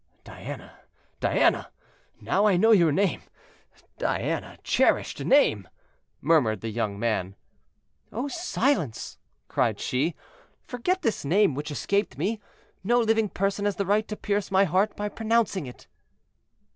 '" "Diana! Diana! now I know your name; Diana, cherished name!" murmured the young man. "Oh, silence!" cried she, "forget this name which escaped me; no living person has the right to pierce my heart by pronouncing it."